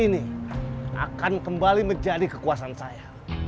ini akan kembali menjadi kekuasaan saya